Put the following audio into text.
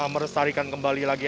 merestarikan kembali lagi